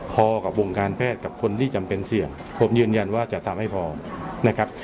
พอกับวงการแพทย์กับคนที่จำเป็นเสี่ยงผมยืนยันว่าจะทำให้พอนะครับ